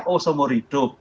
oh semua hidup